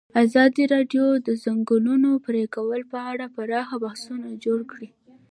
ازادي راډیو د د ځنګلونو پرېکول په اړه پراخ بحثونه جوړ کړي.